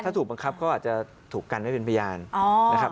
ถ้าถูกบังคับก็อาจจะถูกกันไว้เป็นพยานนะครับ